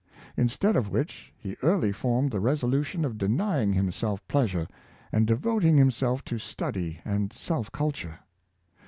Instead of which, he early formed the resolution of denying himself pleasure, and devoting himself to study and self culture.